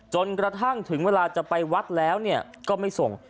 จนกระทั่งถึงเวลาจะไปวัดแล้วก็ไม่ส่ง